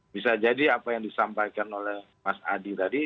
bisa jadi apa yang disampaikan oleh mas adi tadi